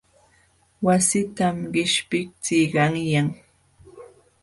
Wassitam qishpiqćhii qanyan.